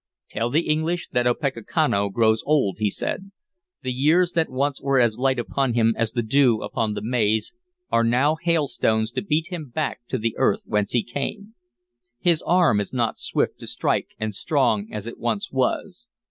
"Tell the English that Opechancanough grows old," he said. "The years that once were as light upon him as the dew upon the maize are now hailstones to beat him back to the earth whence he came. His arm is not swift to strike and strong as it once was.